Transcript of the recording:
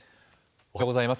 おはようございます。